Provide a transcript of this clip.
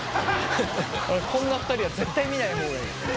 こんな２人は絶対見ない方がいい。